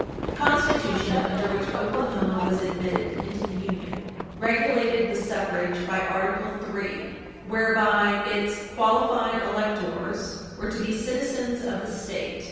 347. The constitution under which Oklahoma was admitted into the Union regulated the suffrage by Article III, whereby its "qualified electors" were to be "citizens of the State